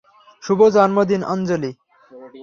শুভ জন্মদিন আঞ্জলি।